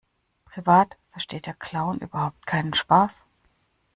Privat versteht der Clown überhaupt keinen Spaß.